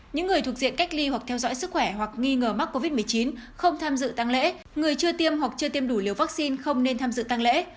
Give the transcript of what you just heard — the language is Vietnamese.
những người thuộc diện cách ly hoặc theo dõi sức khỏe hoặc nghi ngờ mắc covid một mươi chín không tham dự tăng lễ người chưa tiêm hoặc chưa tiêm đủ liều vaccine không nên tham dự tăng lễ